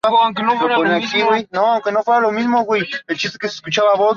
Se trata del único centro docente de ingeniería civil de Cataluña.